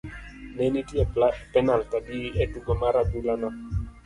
Ne nitie penalt adi e tugo mar adhula no?